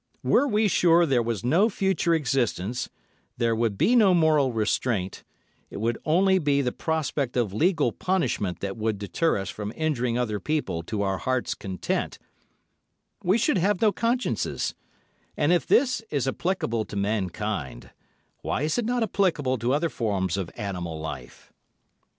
Were we sure there was no future existence, there would be no moral restraint (it would only be the prospect of legal punishment that would deter us from injuring other people to our heart's content), we should have no consciences; and if this is applicable to mankind, why is it not applicable to other forms of animal life?